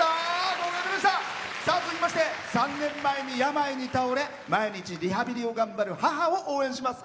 続きまして３年前に病に倒れ毎日リハビリを頑張る母を応援します。